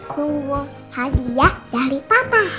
bubur hadiah dari papa